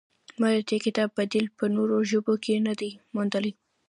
ما د دې کتاب بدیل په نورو ژبو کې نه دی موندلی.